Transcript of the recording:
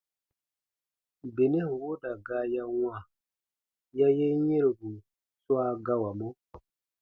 Benɛn wooda gaa ya wãa ya yen yɛ̃robu swa gawamɔ.